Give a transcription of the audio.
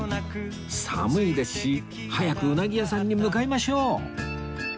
寒いですし早くうなぎ屋さんに向かいましょう